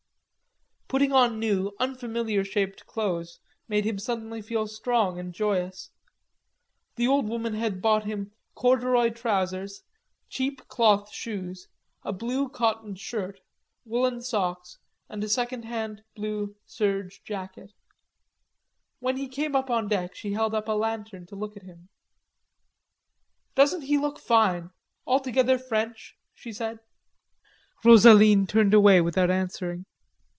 Putting on new, unfamiliar shaped clothes made him suddenly feel strong and joyous. The old woman had bought him corduroy trousers, cheap cloth shoes, a blue cotton shirt, woollen socks, and a second hand black serge jacket. When he came on deck she held up a lantern to look at him. "Doesn't he look fine, altogether French?" she said. Rosaline turned away without answering.